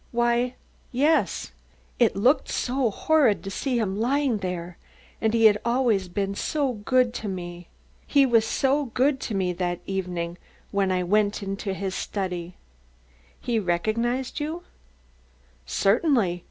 "Why, yes; it looked so horrid to see him lying there and he had always been so good to me. He was so good to me that very evening when I entered his study. "He recognised you? "Certainly.